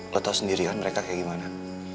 lo tau sendiri kan mereka kayak gimana